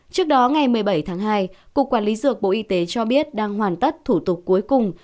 trước đó ngày một mươi bảy tháng hai cục quản lý dược bộ y tế cho biết đang hoàn tất thủ tục cuối cùng